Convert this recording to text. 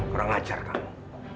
kurang ajar kamu